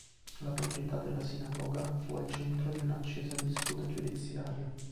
La proprietà della sinagoga fu al centro di una accesa disputa giudiziaria.